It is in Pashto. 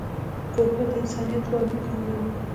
کوربه د انسانیت لوړ مقام لري.